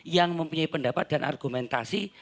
yang mempunyai pendapat dan argumentasi